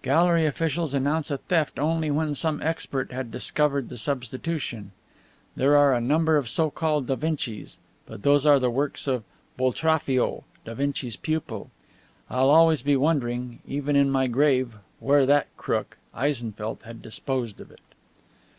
Gallery officials announce a theft only when some expert had discovered the substitution. There are a number of so called Da Vincis, but those are the works of Boltraffio, Da Vinci's pupil. I'll always be wondering, even in my grave, where that crook, Eisenfeldt, had disposed of it."